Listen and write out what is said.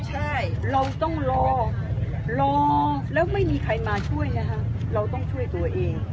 ใช่เราต้องรอรอแล้วไม่มีใครมาช่วยนะคะเราต้องช่วยตัวเอง